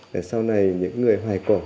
để sau này những người hoài cổ